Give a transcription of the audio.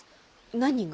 何が？